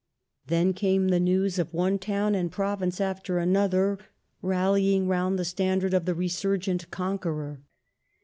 Then came the news of one town and province after another rallying round the stand ard of the resurgent conqueror.